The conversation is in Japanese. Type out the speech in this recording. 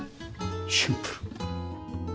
シンプル。